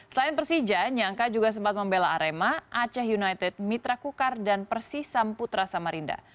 selain persija nyangka juga sempat membela arema aceh united mitra kukar dan persi samputra samarinda